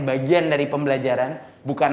bagian dari pembelajaran bukan